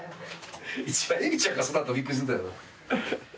一番エミちゃんがその後びっくりしてたよな。